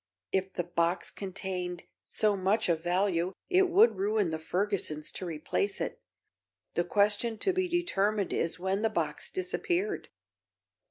"If the box contained so much of value it would ruin the Fergusons to replace it. The question to be determined is when the box disappeared.